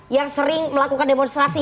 yang sering melakukan demonstrasi ya prof ya